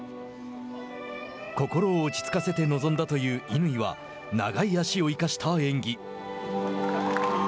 心を落ち着かせて臨んだという乾は、長い足を生かした演技。